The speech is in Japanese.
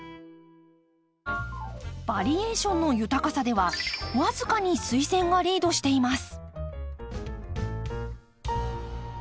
バリエーションの豊かさでは僅かにスイセンがリードしています。